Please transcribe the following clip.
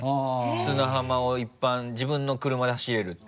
砂浜を自分の車で走れるって。